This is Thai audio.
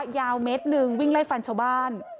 ยาวเมตรหนึ่งวิ่งไล่ฟันชาวบ้าน